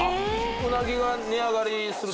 うなぎが値上がりするってこと？